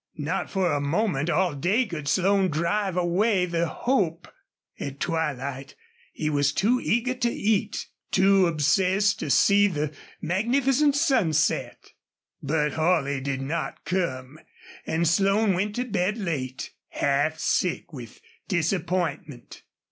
Not for a moment all day could Slone drive away the hope. At twilight he was too eager to eat too obsessed to see the magnificent sunset. But Holley did not come, and Slone went to bed late, half sick with disappointment.